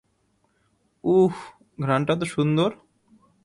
উউহ, ঘ্রাণটা তো সুন্দর!